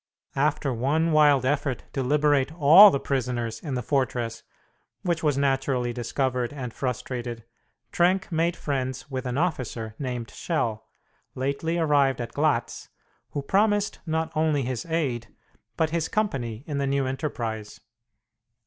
After one wild effort to liberate all the prisoners in the fortress, which was naturally discovered and frustrated, Trenck made friends with an officer named Schell, lately arrived at Glatz, who promised not only his aid but his company in the new enterprise.